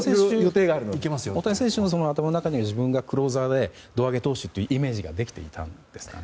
大谷選手の頭の中には自分がクローザーで胴上げ投手というイメージができていたんですかね。